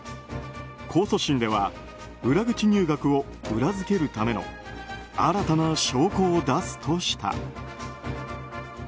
控訴審では裏口入学を裏付けるための新たな証拠を出すとした。